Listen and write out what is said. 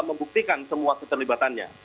membuktikan semua keterlibatannya